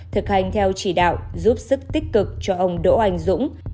thực hành theo chỉ đạo giúp sức tích cực cho ông đỗ anh dũng